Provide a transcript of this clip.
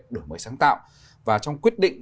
đổi mới sáng tạo và trong quyết định